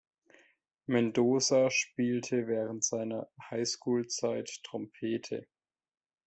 Mendoza spielte während seiner Highschool–Zeit Trompete.